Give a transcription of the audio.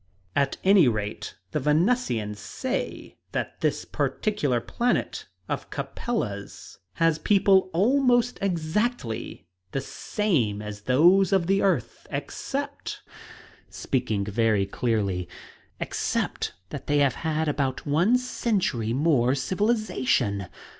"At any rate, the Venusians say that this particular planet of Capella's has people almost exactly the same as those of the earth, except" speaking very clearly "except that they have had about one century more civilization!"